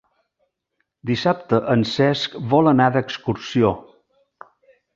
Dissabte en Cesc vol anar d'excursió.